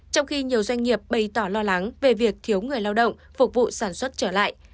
trong khi nhiều doanh nghiệp bày tỏ lo lắng về việc thiếu người lao động phục vụ sản xuất trở lại